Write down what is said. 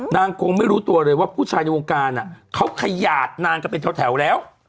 คงไม่รู้ตัวเลยว่าผู้ชายในวงการเขาขยาดนางกันเป็นแถวแล้ว